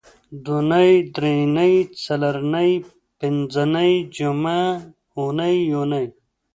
دونۍ درېنۍ څلرنۍ پینځنۍ جمعه اونۍ یونۍ